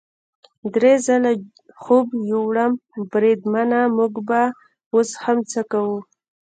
درې ځله خوب یووړم، بریدمنه موږ به اوس څه کوو؟